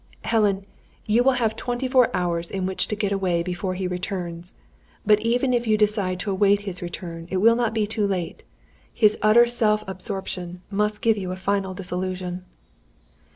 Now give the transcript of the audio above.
"Helen, you will have twenty four hours in which to get away before he returns. But even if you decide to await his return, it will not be too late. His utter self absorption must give you a final disillusion.